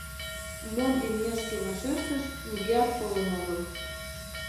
Мом имнешке вашештыш, нигӧат колын огыл.